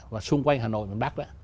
và xung quanh hà nội và bắc đó